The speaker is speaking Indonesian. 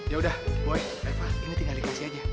yaudah boy reva ini tinggal dikasih aja